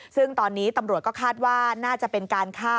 ซึ่งตอนนี้ตำรวจก็คาดว่าน่าจะเป็นการฆ่า